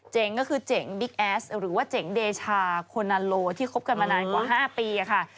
ก็คือเจ๋งบิ๊กแอสหรือว่าเจ๋งเดชาโคนาโลที่คบกันมานานกว่า๕ปีค่ะ